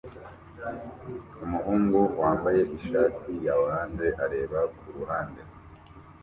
Umuhungu wambaye ishati ya orange areba kuruhande